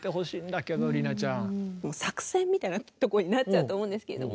作戦みたいなとこになっちゃうと思うんですけれども。